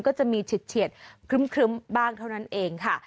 ก็จะมีเฉียดครึ้มบ้างเท่านั้นเองค่ะ